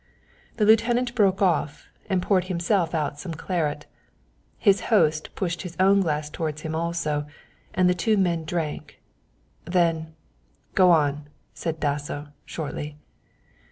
The lieutenant broke off and poured himself out some claret. His host pushed his own glass towards him also, and the two men drank. Then, "Go on," said Dasso, shortly.